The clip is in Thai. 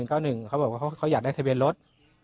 เขาบอกว่าเขาอยากได้ทะเบียนรถ